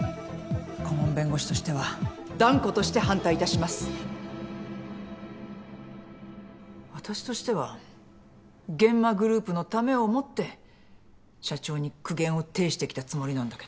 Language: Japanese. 顧問弁護士としては断固として反対いたし私としては諫間グループのためを思って社長に苦言を呈してきたつもりなんだけど。